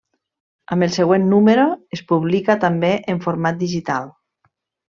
Amb el següent número, es publica també en format digital.